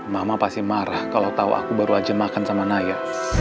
mama pasti marah kalau tahu aku baru aja makan sama naya